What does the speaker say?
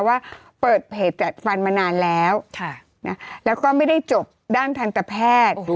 ว่าเปิดเพจจัดฟันมานานแล้วแล้วก็ไม่ได้จบด้านทันตแพทย์